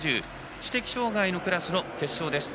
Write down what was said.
知的障がいのクラスの決勝です。